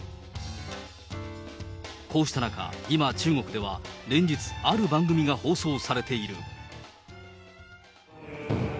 こうした中、今、中国では連日、ある番組が放送されている。